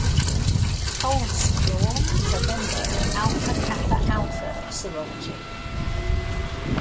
Holdsclaw is a member of Alpha Kappa Alpha sorority.